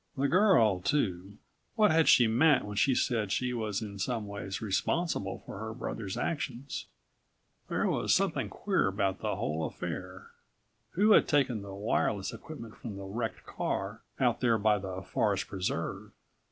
The girl, too; what had she meant when she said she was in some ways responsible for her brother's actions? There was something queer about the whole affair. Who had taken the wireless equipment from the wrecked car out there by the Forest Preserve?